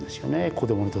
子どもの時。